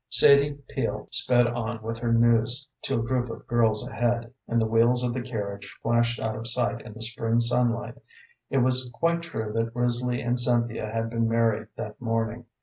Sadie Peel sped on with her news to a group of girls ahead, and the wheels of the carriage flashed out of sight in the spring sunlight. It was quite true that Risley and Cynthia had been married that morning.